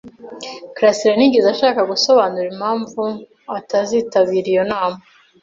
karasira ntiyigeze ashaka gusobanura impamvu atazitabira iyo nama.